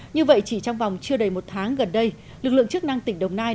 như vậy chỉ trong vòng chưa đầy một tháng gần đây lực lượng chức năng tỉnh đồng nai